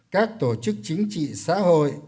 các tổ chức chính trị xã hội